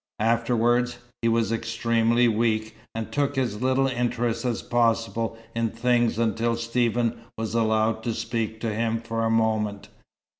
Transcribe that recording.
Afterwards, he was extremely weak, and took as little interest as possible in things, until Stephen was allowed to speak to him for a moment.